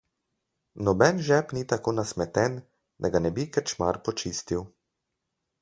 Noben žep ni tako nasmeten, da ga ne bi krčmar počistil.